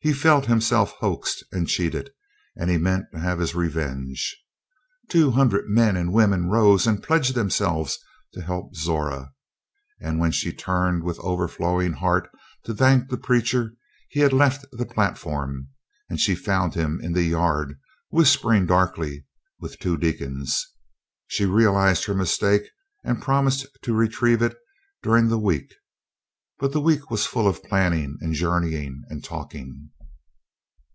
He felt himself hoaxed and cheated, and he meant to have his revenge. Two hundred men and women rose and pledged themselves to help Zora; and when she turned with overflowing heart to thank the preacher he had left the platform, and she found him in the yard whispering darkly with two deacons. She realized her mistake, and promised to retrieve it during the week; but the week was full of planning and journeying and talking.